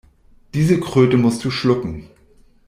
Diese Kröte musst du schlucken.